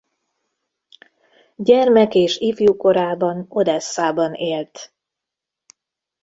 Gyermek- és ifjúkorában Odesszában élt.